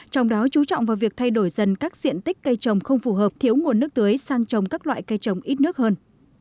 trong đó chú trọng vào việc thay đổi dần các diện tích cây trồng không phù hợp thiếu nguồn nước tưới sang trồng các loại cây trồng ít nước hơn